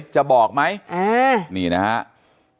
จะบอกไหมนี่นะครับ